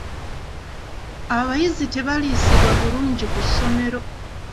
Abayizi tebaliisibwa bulungi ku ssomero.